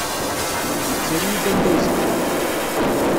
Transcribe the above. Yetter-iyi-d anda ay zedɣeɣ.